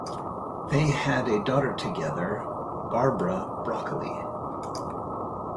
They had a daughter together, Barbara Broccoli.